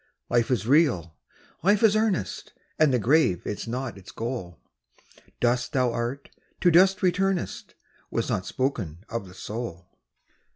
Life is real! Life is earnest! And the grave is not its goal; Dust thou art, to dust returnest, Was not spoken of the soul.